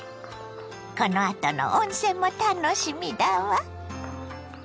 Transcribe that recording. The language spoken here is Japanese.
このあとの温泉も楽しみだわ。